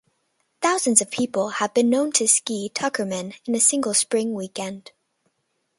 Thousands of people have been known to ski Tuckerman in a single spring weekend.